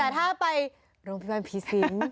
แต่ถ้าไปโรงพิวัณภีร์ศิลป์